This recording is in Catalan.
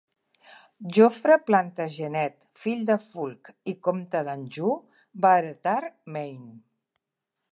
Geoffrey Plantagenet, fill de Fulk i Compte d'Anjou, va heretar Maine.